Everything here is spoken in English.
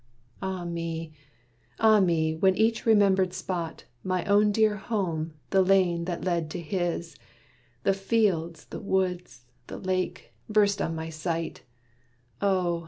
Ah me! ah me! when each remembered spot, My own dear home, the lane that led to his The fields, the woods, the lake, burst on my sight, Oh!